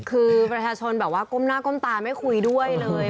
คือประชาชนแบบว่าก้มหน้าก้มตาไม่คุยด้วยเลย